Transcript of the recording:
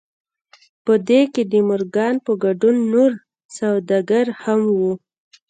په دې کې د مورګان په ګډون نور سوداګر هم وو